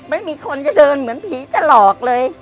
ไม่มีคนจะเดินเหมือนผีจะหลอกเลย